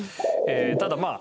ただまあ